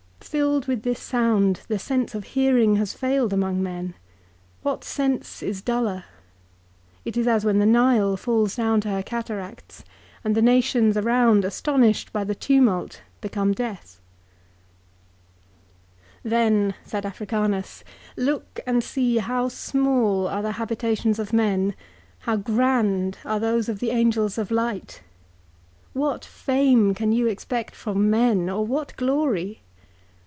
Filled with this sound the sense of hearing has failed among men. What sense is duller ? It is as when the Nile falls down to her cataracts, and the nations around, astonished by the tumult, become deaf.' "'Then,' said Africanus, 'look and see how small are the habita tions of men, how grand are those of the angels of light. What fame can you expect from men, or what glory